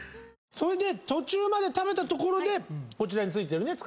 途中まで食べたところでこちらについてる塚田君ね。